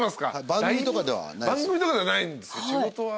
番組とかではないんですよ。